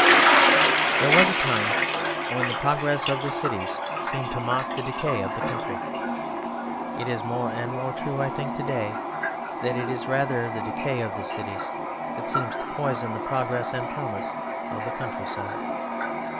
There was a time when the progress of the cities seemed to mock the decay of the country. It is more and more true, I think, to day that it is rather the decay of the cities that seems to poison the progress and promise of the countryside.